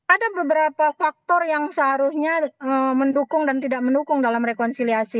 ada beberapa faktor yang seharusnya mendukung dan tidak mendukung dalam rekonsiliasi